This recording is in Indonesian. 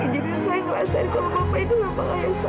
izinkan saya ngerasain kalau bapak itu lupa ayah saya